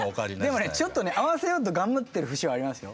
でもちょっと合わせようと頑張ってる節はありますよ。